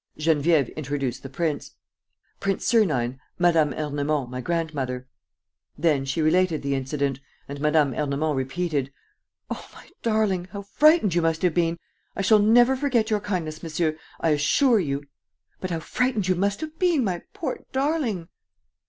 Geneviève introduced the prince: "Prince Sernine ... Mme. Ernemont, my grandmother. ..." Then she related the incident, and Mme. Ernemont repeated: "Oh, my darling, how frightened you must have been! ... I shall never forget your kindness, monsieur, I assure you. ... But how frightened you must have been, my poor darling!"